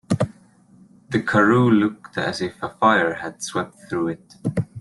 The Karoo looked as if a fire had swept through it.